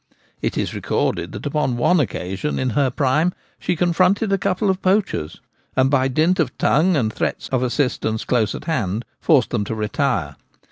It is recorded that upon one occasion in her prime she confronted a couple of poachers, and, by dint of tongue and threats of assistance close at hand, forced them to retire.